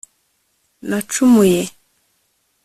nacumuye